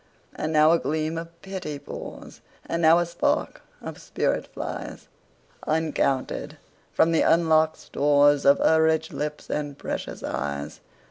And now a gleam of pity pours, And now a spark of spirit flies, Uncounted, from the unlock'd storesOf her rich lips and precious eyes.